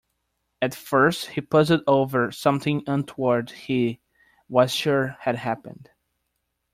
At first he puzzled over something untoward he was sure had happened.